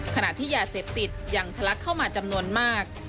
ขณะที่ยาเสพติดยังทะลักเข้ามาจำนวนมาก